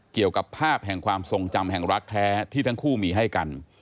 เกี่ยวกับภาพแห่งความทรงจำแห่งรักแท้ที่ทั้งคู่มีให้กัน